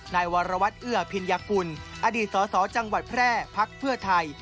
นายวรวัตรเอื้อพิญญากุลอดีตสสจังหวัดแพร่พักเพื่อไทย